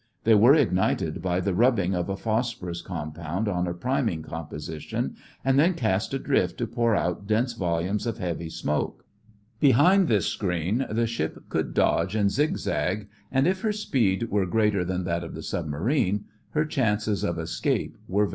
They were ignited by the rubbing of a phosphorus compound on a priming composition, and then cast adrift to pour out dense volumes of heavy smoke. (See Fig. 20.) Behind this screen, the ship could dodge and zig zag and if her speed were greater than that of the submarine, her chances of escape were very good.